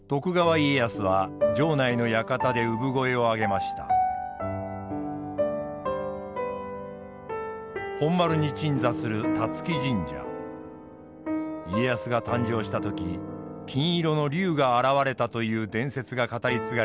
家康が誕生した時金色の龍が現れたという伝説が語り継がれています。